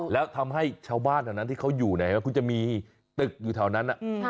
แล้วทำให้ชาวบ้านที่เขาอยู่มีตึกอยู่แถวนั้น